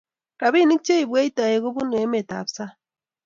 rapinik cheibwech taek chebunu emet ab sang